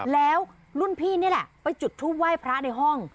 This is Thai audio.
แล้วรุ่นพี่นี่แหละไปจุดทูปไหว้พระในห้อง